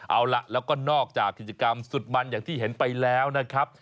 เอาล่ะแล้วก็นอกจากกิจกรรมสุดมันอย่างที่เห็นไปแล้วนะครับ